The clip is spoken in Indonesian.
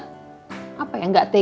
tega untuk bilang nggak ke reina